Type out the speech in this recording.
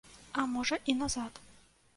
А можа, і назад.